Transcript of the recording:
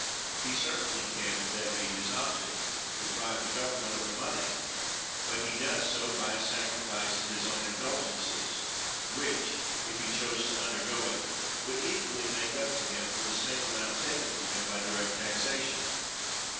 He certainly can, if that be his object, deprive the Government of the money; but he does so by a sacrifice of his own indulgences, which (if he chose to undergo it) would equally make up to him for the same amount taken from him by direct taxation.